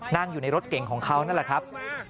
นั่งอยู่ในรถเก่งของเขานั่นแหละครับ